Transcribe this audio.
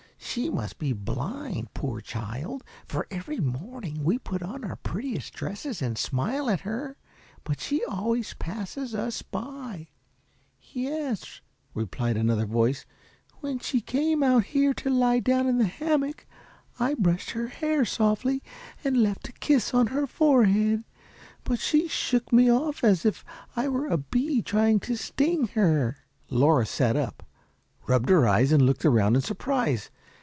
She must be blind, poor child! for every morning we put on our prettiest dresses and smile at her; but she always passes us by." "Yes," replied another voice, "when she came out here to lie down in the hammock, I brushed her hair softly and left a kiss on her forehead; but she shook me off as if I were a bee trying to sting her." Laura sat up, rubbed her eyes, and looked around in surprise.